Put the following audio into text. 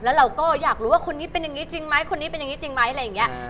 แล้วเราก็อยากรู้ว่าคนนี้เป็นอย่างนี้จริงไหมคนนี้เป็นอย่างนี้จริงไหมอะไรอย่างนี้